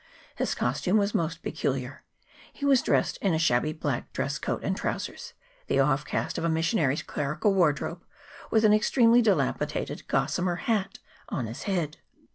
His costume was most peculiar : he was dressed in a shabby black dress coat and trousers, the offcast of a missionary's clerical wardrobe, with an extremely dilapidated gossamer hat on his head.